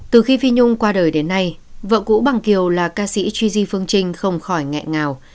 từ khi phi nhung qua đời đến nay vợ cũ bằng kiều là ca sĩ tri di phương trinh không khỏi ngẹn ngào